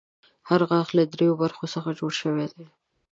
هر غاښ له دریو برخو څخه جوړ شوی دی.